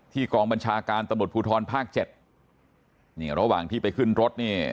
ที่กรองบัญชาการตมทภูทรภาค๗เนี่ยระหว่างที่ไปขึ้นรถนี่